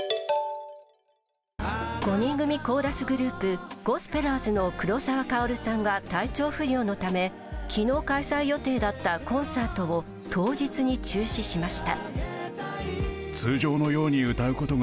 ５人組コーラスグループゴスペラーズの黒沢薫さんが体調不良のため昨日開催予定だったコンサートを当日に中止しました。